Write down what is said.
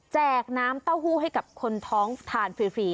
น้ำเต้าหู้ให้กับคนท้องทานฟรี